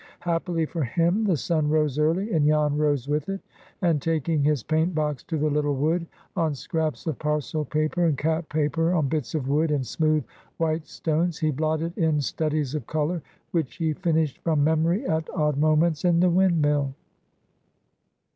Happily for him the sun rose early, and Jan rose with it, and taking his paint box to the little wood, on scraps of parcel paper and cap paper, on bits of wood and smooth white stones, he blotted in studies of color, which he finished from memory at odd moments in the windmill.